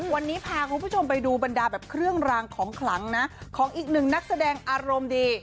วันนี้พาคุณผู้ชมไปดูบรรดาแบบเครื่องรางของขลังนะของอีกหนึ่งนักแสดงอารมณ์ดี